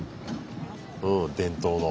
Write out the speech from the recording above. うん伝統の。